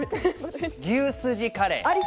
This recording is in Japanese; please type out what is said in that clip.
牛すじカレー。